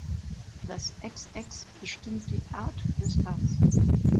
Das "xx" bestimmt die Art des Tags.